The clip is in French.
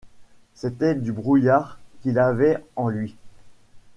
C’était du brouillard qu’il avait en lui.